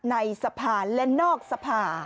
ในสะพานและนอกสภา